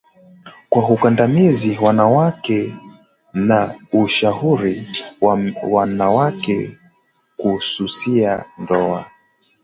kwa ukandamizi wa mwanamke na kuwashauri wanawake kuisusia ndoa